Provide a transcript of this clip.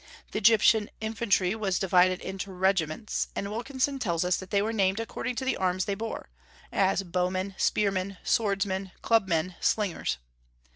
The Egyptian infantry was divided into regiments, and Wilkinson tells us that they were named according to the arms they bore, as "bowmen, spearmen, swordsmen, clubmen, slingers."